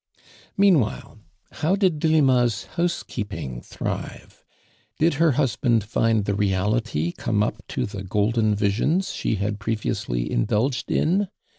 Meanwhile how did Delima's house keeping thrive V Did her husband find the reality come up to the golden visions she had previously indulgeil in